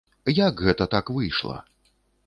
Як гэта так выйшла?